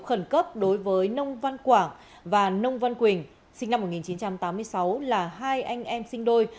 khẩn cấp đối với nông văn quảng và nông văn quỳnh sinh năm một nghìn chín trăm tám mươi sáu là hai anh em sinh đôi